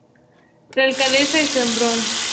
La alcaldesa es Sharon Brown.